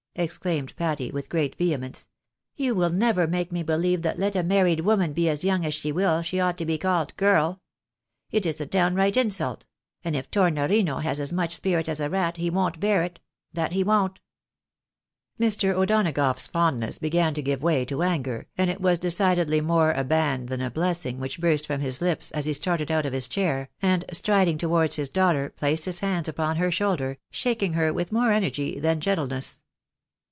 " exclaimed Patty, with great vehemence. " You will never make me believe that let a married woman be as young as she will, she ought to be called GiEL ! It is a downright insult ; and if Tornorino has as much spirit as a rat, he won't bear it, that he won't !" Mr. O'Donagough's fondness began to give way to auger, and it was decidedly more a ban than a blessing which burst from his lips, as he started out of his chair, and striding towards his daughter placed his hands upon her shoulder, shaking her with more energy than gentleness.